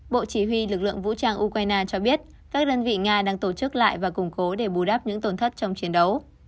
bộ chỉ huy lực lượng vũ trang ukraine cho biết các đơn vị nga đang tổ chức lại và củng cố để bù đắp những tổn thất trong chiến đấu